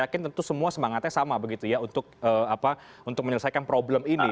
saya yakin tentu semua semangatnya sama begitu ya untuk menyelesaikan problem ini